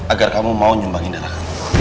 agar kamu mau nyumbangin darah